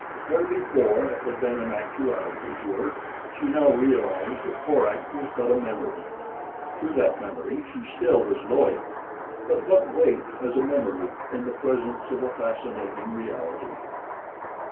Where before it had been an actuality to her she now realized that Korak was but a memory. To that memory she still was loyal; but what weight has a memory in the presence of a fascinating reality?